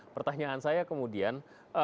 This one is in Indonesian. pertanyaan saya kemudian